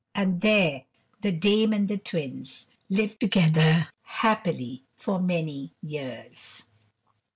And there the Dame and the Twins lived together happily for many years.